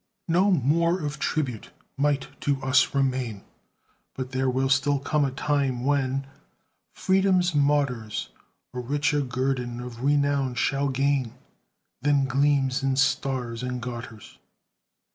No more of tribute might to us remain; But there will still come a time when Freedom's martyrs A richer guerdon of renown shall gain Than gleams in stars and garters.